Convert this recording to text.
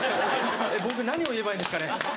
僕何を言えばいいんですかね？